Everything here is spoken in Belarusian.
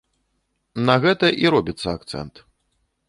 На гэта і робіцца акцэнт.